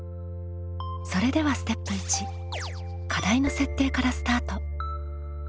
それではステップ１課題の設定からスタート。